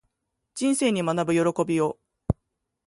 人生に学ぶ喜びを